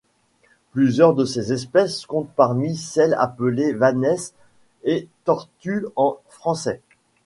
Plusieurs de ses espèces comptent parmi celles appelées vanesses et tortues en français.